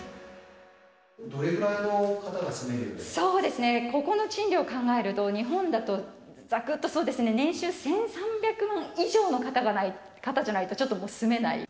どれぐらいの方が住めるんでここの賃料を考えると、日本だとざくっと、そうですね、年収１３００万以上の方じゃないと、ちょっと住めない。